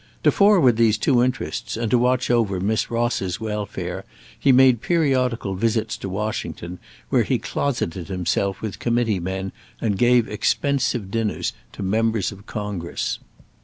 To forward these two interests and to watch over Miss Ross's welfare, he made periodical visits to Washington, where he closeted himself with committee men and gave expensive dinners to members of Congress.